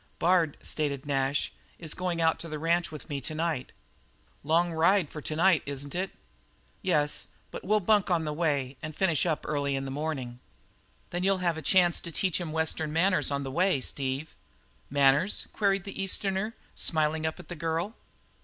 "Bard," stated Nash, "is going out to the ranch with me to night." "Long ride for to night, isn't it?" "Yes, but we'll bunk on the way and finish up early in the morning." "Then you'll have a chance to teach him Western manners on the way, Steve." "Manners?" queried the Easterner, smiling up to the girl.